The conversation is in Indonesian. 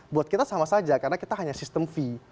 buat kita sama saja karena kita hanya sistem fee